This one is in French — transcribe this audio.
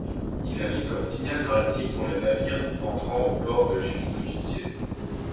Il agit comme signal maritime pour les navires entrant au port de Świnoujście.